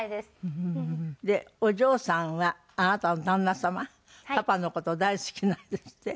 でお嬢さんはあなたの旦那様パパの事大好きなんですって？